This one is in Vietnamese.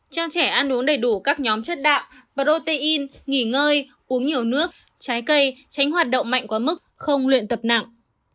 cho trẻ ăn uống đầy đủ các nhóm chất đạo protein nghỉ ngơi uống nhiều nước trái cây tránh hoạt động mạnh quá mức không luyện tập nặng